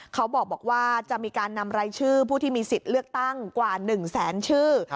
เขาบอกว่าจะมีการนำรายชื่อผู้ที่มีสิทธิ์เลือกตั้งกว่า๑แสนชื่อ